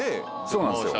そうなんですよ。